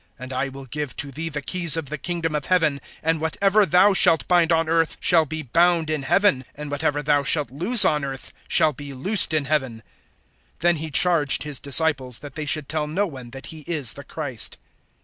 (19)And I will give to thee the keys of the kingdom of heaven; and whatever thou shalt bind on earth shall be bound in heaven; and whatever thou shalt loose on earth shall be loosed in heaven. (20)Then he charged his disciples, that they should tell no one that he is the Christ.